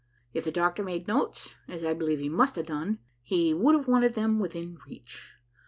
If the doctor made notes, as I believe he must have done, he would have wanted them within reach.